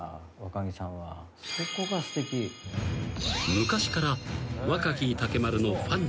［昔から］